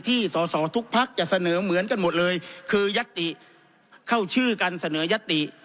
ที่สอสอทุกพักจะเสนอเหมือนกันหมดเลยคือยัตติเข้าชื่อการเสนอยัตติ